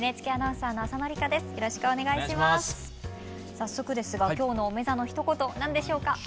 早速ですが今日のおめざのひと言何でしょうか？